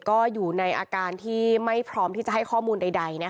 ก็อยู่ในอาการที่ไม่พร้อมที่จะให้ข้อมูลใด